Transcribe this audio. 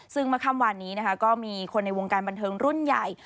ซึ่งเมื่อค่ำวานนี้นะคะก็มีคนในวงการบันเทิงรุ่นใหญ่